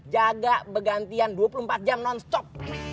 jaga begantian dua puluh empat jam nonstop